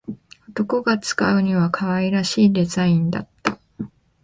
男が使うには可愛らしいデザインだった